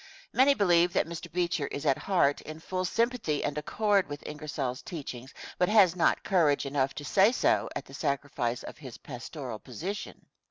Many believe that Mr. Beecher is at heart in full sympathy and accord with Ingersoll's teachings, but has not courage enough to say so at the sacrifice of his pastoral position.